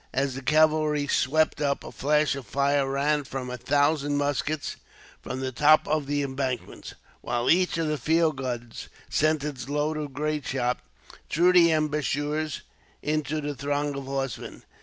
As the cavalry swept up, a flash of fire ran from a thousand muskets, from the top of the embankments; while each of the field guns sent its load of grapeshot, through the embrasures, into the throng of horsemen.